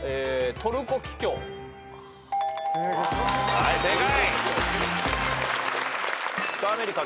はい正解。